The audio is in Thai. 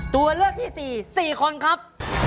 ตัวเลือกที่๔๔คนครับ